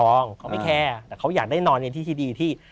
เขาไม่แคร์แต่เขาอยากได้นอนในที่ที่ดีที่